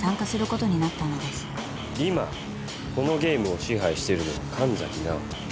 今このゲームを支配してるのは神崎直。